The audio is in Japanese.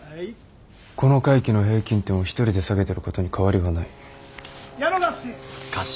この回期の平均点を一人で下げてることに変わりはない。